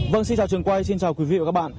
vâng xin chào trường quay xin chào quý vị và các bạn